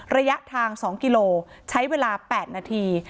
ระยะทาง๒กิโลใช้เวลา๘นาที